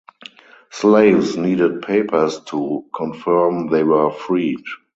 Slaves needed papers to confirm they were freed.